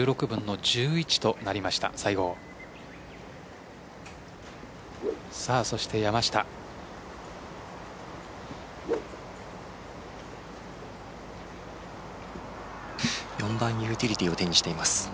４番ユーティリティーを手にしています。